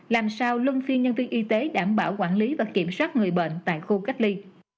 làm sao luân phiên nhân viên y tế đảm bảo quản lý và kiểm soát người bệnh tại khu cách ly